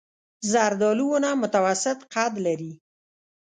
زردالو ونه متوسط قد لري.